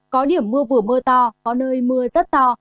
có điểm mưa vừa mưa to có nơi mưa rất to